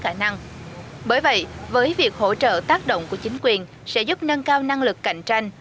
khả năng bởi vậy với việc hỗ trợ tác động của chính quyền sẽ giúp nâng cao năng lực cạnh tranh